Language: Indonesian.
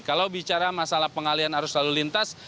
kalau bicara masalah pengalian arus lalu lintas